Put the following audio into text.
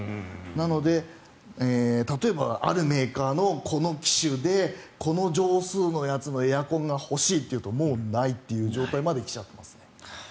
なので、例えばあるメーカーのこの機種でこの畳数のやつのエアコンが欲しいというともうないという状態まで来ちゃってますね。